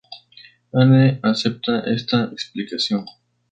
Anne acepta esta explicación.